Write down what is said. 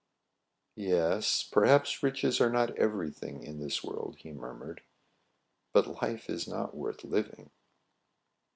" Yes : perhaps riches are not every thing in this world," he murmured. " But life is not worth living."